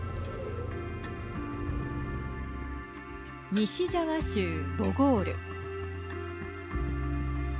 西ジャワ州、ボゴール。